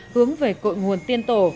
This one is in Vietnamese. hướng về cội nguồn tiên tổ